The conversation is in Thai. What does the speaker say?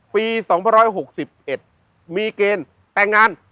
ปี๒๖๑มีเกณฑ์แต่งงาน